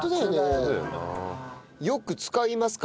よく使いますか？